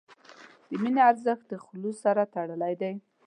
د مینې ارزښت د خلوص سره تړلی دی.